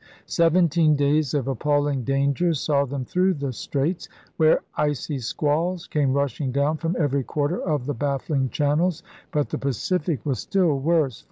Seventeen days of appalling dangers saw them through the Straits, where icy squalls came rushing down from every quarter of the baffling channels. But the Pacific was still worse.